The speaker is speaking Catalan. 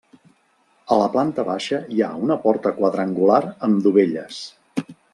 A la planta baixa hi ha una porta quadrangular amb dovelles.